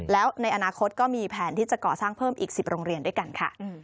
แล้วในอนาคตก็มีแผนที่จะก่อสร้างเพิ่มอีก๑๐โรงเรียนด้วยกันค่ะ